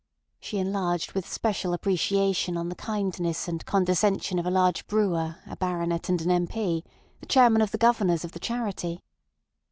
She enlarged with special appreciation on the kindness and condescension of a large brewer, a Baronet and an M. P., the Chairman of the Governors of the Charity.